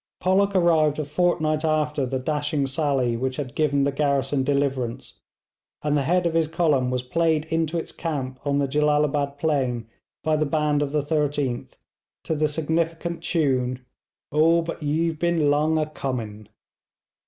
Pollock arrived a fortnight after the dashing sally which had given the garrison deliverance, and the head of his column was played into its camp on the Jellalabad plain by the band of the 13th, to the significant tune 'Oh, but ye've been lang o'coming.'